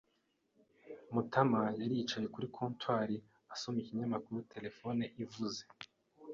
Matama yari yicaye kuri comptoir asoma ikinyamakuru telefone ivuze.